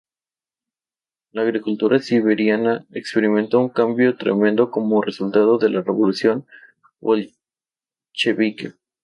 La agricultura siberiana experimentó un cambio tremendo como resultado de la Revolución Bolchevique.